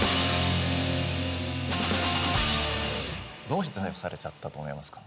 どうして逮捕されちゃったと思いますか？